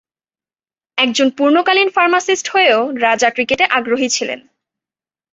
একজন পূর্ণকালীন ফার্মাসিস্ট হয়েও রাজা ক্রিকেটে আগ্রহী ছিলেন।